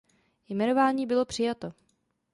Jmenování bylo přijato.